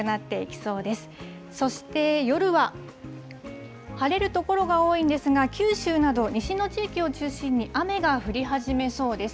そして夜は、晴れる所が多いんですが、九州など西の地域を中心に雨が降り始めそうです。